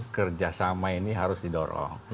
kerjasama ini harus didorong